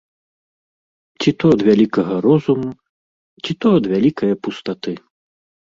Ці то ад вялікага розуму, ці то ад вялікае пустаты.